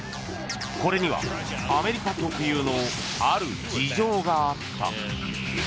これにはアメリカ特有のある事情があった。